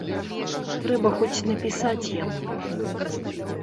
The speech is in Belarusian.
Трэба хоць напісаць яму.